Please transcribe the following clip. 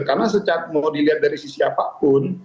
karena mau dilihat dari sisi apapun